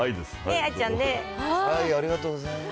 ありがとうございます。